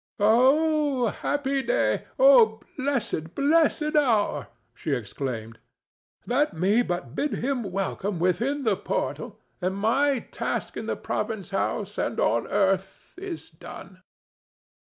"Oh, happy day! Oh, blessed, blessed hour!" she exclaimed. "Let me but bid him welcome within the portal, and my task in the province house and on earth is done."